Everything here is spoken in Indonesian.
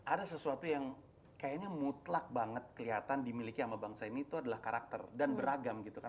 ada sesuatu yang kayaknya mutlak banget kelihatan dimiliki sama bangsa ini itu adalah karakter dan beragam gitu kan